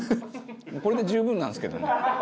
これで十分なんですけどね。